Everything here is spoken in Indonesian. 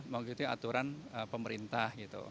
maunya tapi menggunakan aturan pemerintah